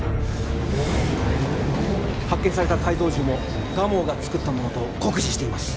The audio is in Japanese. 発見された改造銃も蒲生が作ったものと酷似しています。